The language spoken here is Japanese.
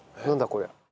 これ。